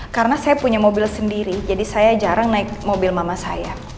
karena saya punya mobil sendiri jadi saya jarang naik mobil mama saya